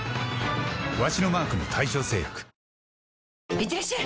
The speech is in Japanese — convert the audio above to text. いってらっしゃい！